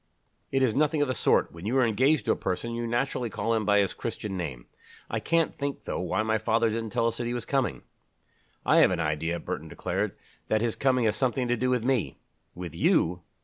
"It is nothing of the sort; when you are engaged to a person, you naturally call him by his Christian name. I can't think, though, why father didn't tell us that he was coming." "I have an idea," Burton declared, "that his coming has something to do with me." "With you?